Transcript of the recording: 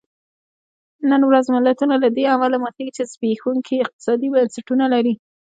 نن ورځ ملتونه له دې امله ماتېږي چې زبېښونکي اقتصادي بنسټونه لري.